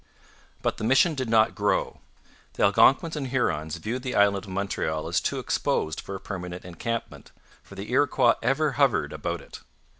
But the mission did not grow. The Algonquins and Hurons viewed the island of Montreal as too exposed for a permanent encampment, for the Iroquois ever hovered about it.